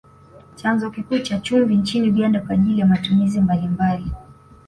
Chanzo kikuu cha chumvi nchini Uganda kwa ajili ya matumizi mbalimbali